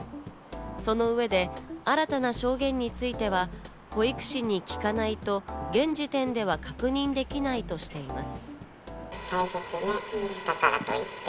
その上で新たな証言については保育士に聞かないと現時点では確認できないとしています。